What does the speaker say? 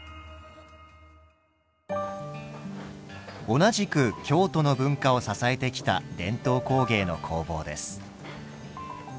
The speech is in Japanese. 同じく京都の文化を支えてきた伝統工芸の工房です。